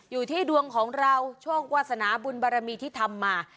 อยู่ที่ดวงของเราโชควาสนาบุญบารมีที่ทำมา